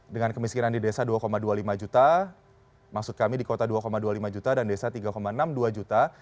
dengan kemiskinan di desa dua dua puluh lima juta maksud kami di kota dua dua puluh lima juta dan desa tiga enam puluh dua juta